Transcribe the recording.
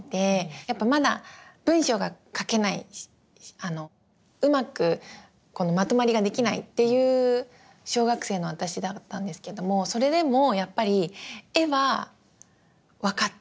やっぱまだ文章が書けないうまくまとまりができないっていう小学生の私だったんですけどもそれでもやっぱり絵は分かった。